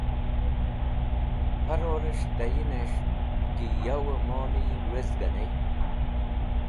Harorẽs̃h tayinẽs̃h ki yavẽ moli wezga ney.